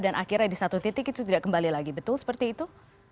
dan akhirnya di satu titik itu tidak kembali lagi betul seperti itu